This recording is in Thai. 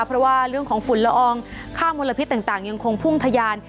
เพราะว่าเรื่องของฝุ่นละอองค่ามลพิษต่างยังคงพุ่งทะยาน